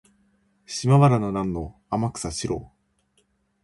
島原の乱の天草四郎